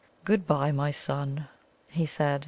"Good bye, my son," he said.